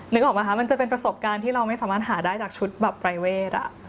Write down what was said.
นึกออกไหมคะมันจะเป็นประสบการณ์ที่เราไม่สามารถหาได้จากชุดแบบปรายเวท